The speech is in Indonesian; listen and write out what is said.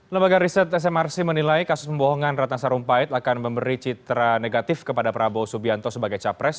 lembaga riset smrc menilai kasus pembohongan ratna sarumpait akan memberi citra negatif kepada prabowo subianto sebagai capres